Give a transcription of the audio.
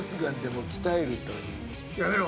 やめろ！